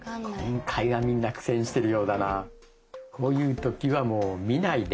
今回はみんな苦戦してるようだな。